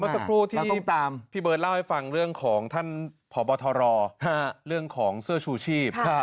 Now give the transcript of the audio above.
สักครู่ที่พี่เบิร์ตเล่าให้ฟังเรื่องของท่านพบทรเรื่องของเสื้อชูชีพ